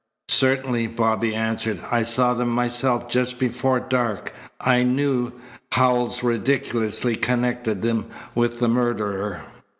"Certainly," Bobby answered. "I saw them myself just before dark. I knew Howells ridiculously connected them with the murderer."